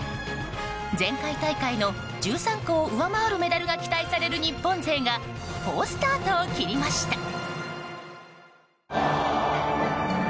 前回大会の１３個を上回るメダルが期待される日本勢が好スタートを切りました。